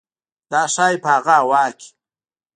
دا ښايي په هغه هوا کې